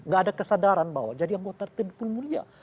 gak ada kesadaran bahwa jadi anggota tim pun mulia